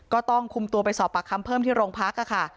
ก็ต้องคุมตัวไปสอบปากคำเพิ่มที่โรงพักค่ะ